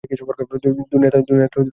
দুনিয়াটা তো বদলাচ্ছেই।